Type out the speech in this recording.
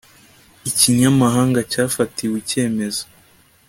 ikinyamahanga cyafatiwe icyemezo